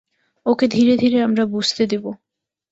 ওকে ধীরে ধীরে আমরা বুঝতে দিবো।